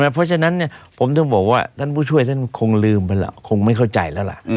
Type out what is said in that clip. เพราะฉะนั้นผมต้องบอกว่าท่านผู้ช่วยท่านคงลืมไปล่ะคงไม่เข้าใจแล้วล่ะ